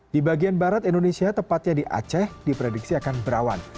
di bagian barat indonesia tepatnya di aceh diprediksi akan berawan